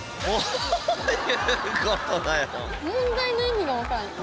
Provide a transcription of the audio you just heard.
問題の意味が分かんない。